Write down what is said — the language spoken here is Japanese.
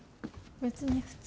別に普通。